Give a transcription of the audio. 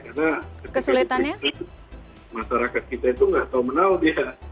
karena ketika dikirim ke masyarakat kita itu nggak tahu menau dia